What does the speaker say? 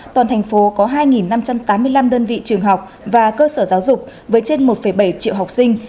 toàn thành phố có hai năm trăm tám mươi năm đơn vị trường học và cơ sở giáo dục với trên một bảy triệu học sinh